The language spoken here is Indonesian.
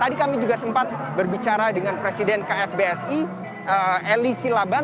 jadi kami juga sempat berbicara dengan presiden ksbsi eli silaban